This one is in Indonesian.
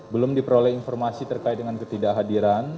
belum diperoleh informasi terkait dengan ketidakhadiran